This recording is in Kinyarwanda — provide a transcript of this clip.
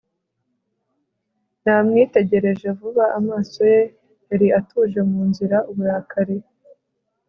namwitegereje vuba. amaso ye yari atuje mu nzira. uburakari